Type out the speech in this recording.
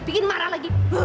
bikin marah lagi